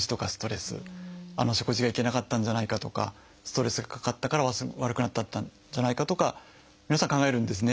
あの食事がいけなかったんじゃないかとかストレスがかかったから悪くなっちゃったんじゃないかとか皆さん考えるんですね。